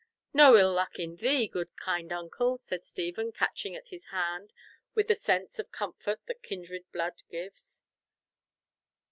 "No ill luck in thee, good, kind uncle," said Stephen, catching at his hand with the sense of comfort that kindred blood gives.